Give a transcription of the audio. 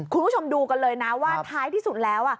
คุณผู้ชมดูกันเลยนะว่าท้ายที่สุดแล้ว